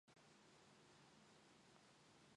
北海道留夜別村